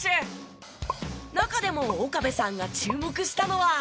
中でも岡部さんが注目したのは。